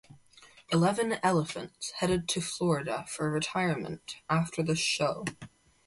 Eleven elephants headed to Florida for retirement after the show.